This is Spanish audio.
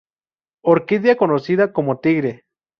Orquídea conocida como Tigre.